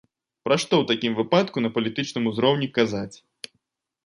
Пра што ў такім выпадку на палітычным узроўні казаць?